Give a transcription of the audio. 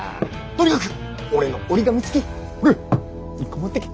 とにかく俺の折り紙付き。